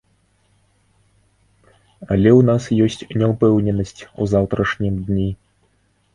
Але ў нас ёсць няўпэўненасць у заўтрашнім дні.